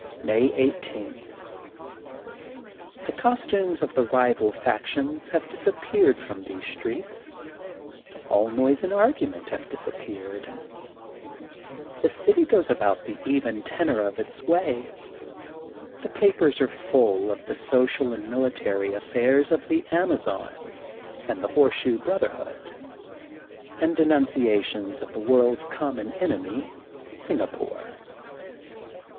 May 18: — ^The costumes of the rival factions TH£ OOLDEN fiOOK Of SPRIN6FIELD 14^ have disappeared from these streets. All noise and argument have disappeared. The city goes about the even tenor of its way. The papers are full of the social and military af fairs of the Amazons and the Horseshoe Brotherhood and denunciations of the world *a common enemy, Singapore.